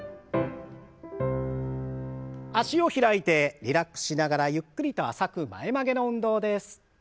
脚を開いてリラックスしながらゆっくりと浅く前曲げの運動です。